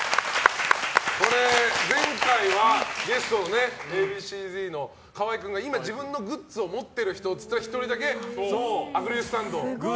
前回はゲストのＡ．Ｂ．Ｃ‐Ｚの河合君が今、自分のグッズを持ってる人で１人だけアクリルスタンドを。